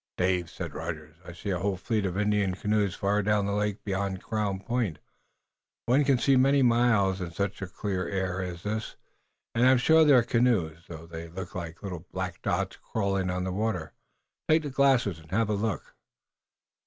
"Dave," said Rogers, "I see a whole fleet of Indian canoes far down the lake below Crown Point. One can see many miles in such a clear air as this, and I'm sure they're canoes, though they look like black dots crawling on the water. Take the glasses and have a look."